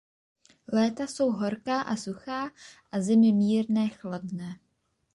Léta jsou horká a suchá a zimy mírně chladné.